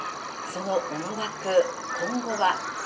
その思惑、今後は。